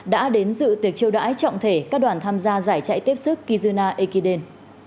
đã đến dự tiệc chiêu đãi trọng thể các đoàn tham gia giải chạy tiếp sức kizuna ekiden